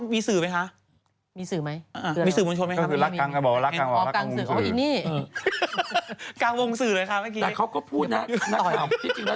เมื่อกี้พวกเขาพูดคำว่ารักไหมค่ะ